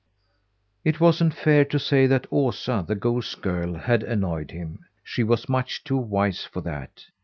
It wasn't fair to say that Osa, the goose girl, had annoyed him. She was much too wise for that.